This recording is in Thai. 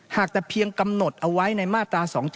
หากแต่เพียงกำหนดเอาไว้ในมาตรา๒๗